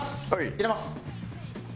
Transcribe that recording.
入れます。